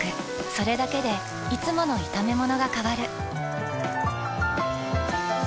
それだけでいつもの炒めものが変わる。